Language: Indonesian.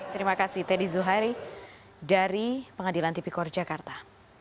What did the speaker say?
terima kasih teddy zuhari dari pengadilan tv kor jakarta